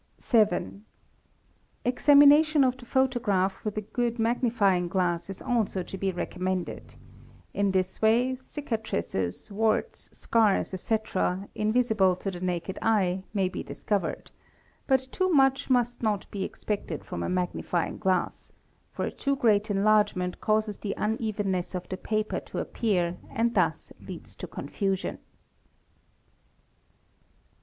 — a 7. Examination of the photograph with a good magnifying glass i also to be recommended; in this way cicatrices, warts, scars, etc., invisibl to the naked eye may be discovered; but too much must not be ex pec ted from a magnifying glass, for a too great enlargement causes th unevenness of the paper to appear and thus leads to confusion.